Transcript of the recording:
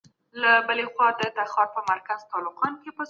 پرمختللو هيوادونو خپله تکنالوژي ډيره پياوړي کړې وه.